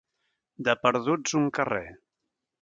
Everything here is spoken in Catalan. De perduts, un carrer.